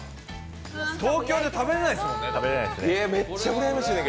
東京で食べれないですもんね。